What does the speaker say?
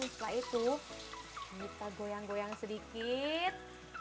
setelah itu kita goyang goyang sedikit